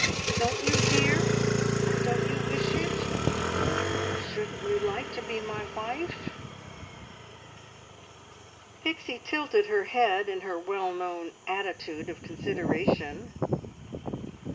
Don't you, dear, don't you wish it? Shouldn't you like to be my wife?" Pixie tilted her head in her well known attitude of consideration.